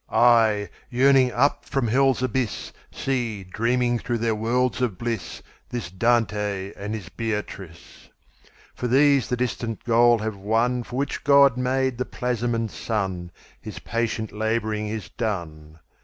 I, yearning up from Hell's abyss, See, dreaming through their worlds of bliss, This Dante and his Beatrice! For these the distant goal have wonFor which God made the plasm and sun; His patient labouring is done.